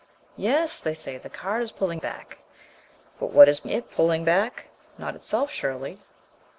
"Yes," they say, "the cart is pulling back." But what is it pulling back? Not itself, surely?